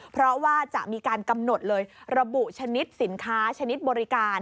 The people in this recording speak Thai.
เพราะว่าจะมีการกำหนดเลยระบุชนิดสินค้าชนิดบริการ